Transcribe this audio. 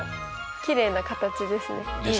きれいな形ですね。でしょ？